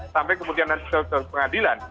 sampai kemudian ke pengadilan